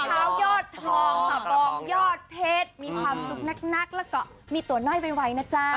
พร้อมค่ะบอกยอดเทศมีความสุขนักแล้วก็มีตัวน้อยไวนะจ้า